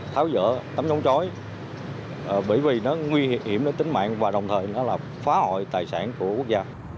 tháo dỡ tấm chống chói bởi vì nó nguy hiểm đến tính mạng và đồng thời nó là phá hội tài sản của quốc gia